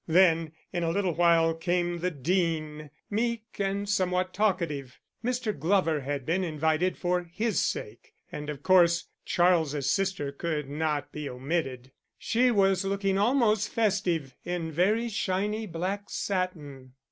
Then, in a little while, came the Dean, meek and somewhat talkative; Mr. Glover had been invited for his sake, and of course Charles' sister could not be omitted. She was looking almost festive in very shiny black satin.